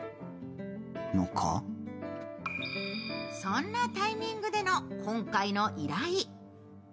そんなタイミングでの今回の依頼。